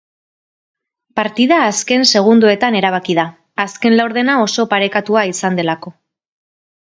Partida azken segundoetan erabaki da, azken laurdena oso parekatua izan delako.